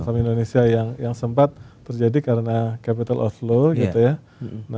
saham indonesia yang sempat terjadi karena capital outflow gitu ya